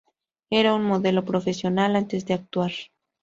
Era un modelo profesional antes de actuar.